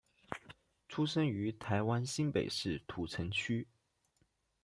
出生于台湾新北市土城区。